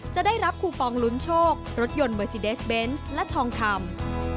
จะได้รับคูปองลุ้นโชครถยนต์เมอร์ซีเดสเบนส์และทองคำ